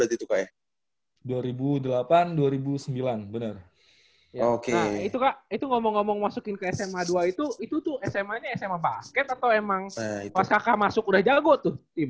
itu kak itu ngomong ngomong masukin ke sma dua itu itu tuh sma nya sma pak aset atau emang pas kakak masuk udah jago tuh